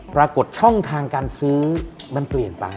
ปรากฏช่องทางการซื้อมันเปลี่ยนไป